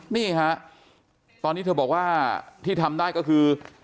นี่ฮะตอนนี้เธอบอกว่าที่ทำได้ก็คือ